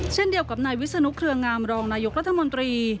เช่นเดียวกับนายวิศนุเครืองามรองนายกรัฐมนตรี